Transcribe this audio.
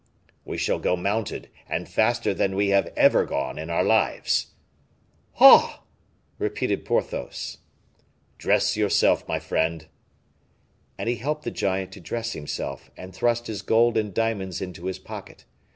"We shall go mounted, and faster than we have ever gone in our lives." "Ah!" repeated Porthos. "Dress yourself, my friend." And he helped the giant to dress himself, and thrust his gold and diamonds into his pocket.